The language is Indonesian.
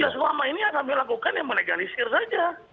ya selama ini kami lakukan yang melegalisir saja